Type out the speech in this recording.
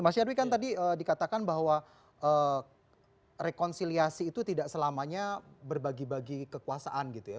mas yarwi kan tadi dikatakan bahwa rekonsiliasi itu tidak selamanya berbagi bagi kekuasaan gitu ya